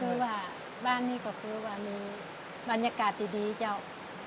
คือว่าบ้านนี้ก็คือว่ามีบรรยากาศดีเจ้า